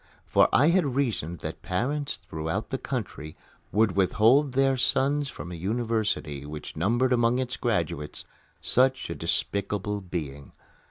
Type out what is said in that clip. For I reasoned that parents throughout the country would withhold their sons from a university which numbered among its graduates such a despicable being.